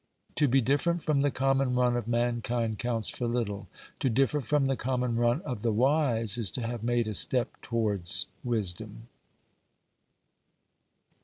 To be different from the common run of mankind counts for little ; to differ from the common run of the wise is to have made a step towards wisdom.